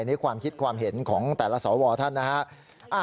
นี่ความคิดความเห็นของแต่ละสวท่านนะฮะ